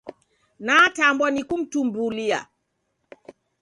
Netambwa ni kumtumbulia.